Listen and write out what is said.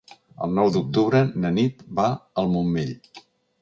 El nou d'octubre na Nit va al Montmell.